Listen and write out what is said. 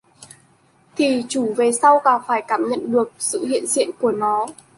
Thì chủ về sau càng phải cảm nhận được sự hiện diện của nó